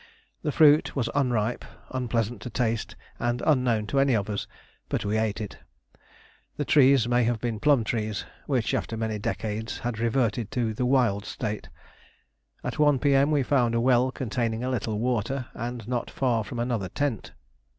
The fruit was unripe, unpleasant to taste, and unknown to any of us; but we ate it. The trees may have been plum trees, which after many decades had reverted to the wild state. At 1 P.M. we found a well containing a little water, and not far from another tent.